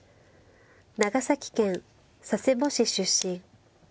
長崎県佐世保市出身。